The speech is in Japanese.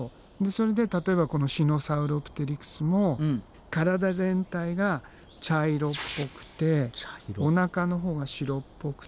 それで例えばこのシノサウロプテリクスも体全体が茶色っぽくておなかのほうが白っぽくて。